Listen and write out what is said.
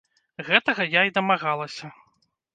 Гэтага я і дамагалася.